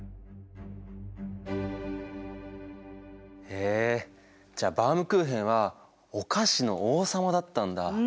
へえじゃあバウムクーヘンはお菓子の王様だったんだ。